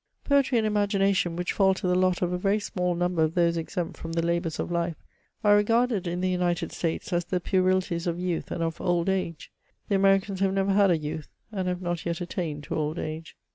Poetry and imagination, which fall to the lot of a very small number of those exempt from the labours of life, are regarded in the United States as the puerilities of youth and of old age ; the Americans have never had a youth, and hare not yet attained to old age.